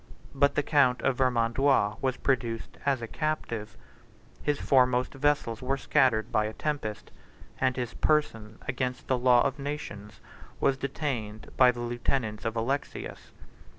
But the count of Vermandois was produced as a captive; his foremost vessels were scattered by a tempest; and his person, against the law of nations, was detained by the lieutenants of Alexius.